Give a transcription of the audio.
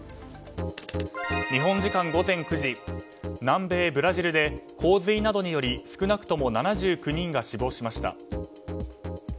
日本時間午前９時南米ブラジルで洪水などにより少なくとも７９人が死亡しました。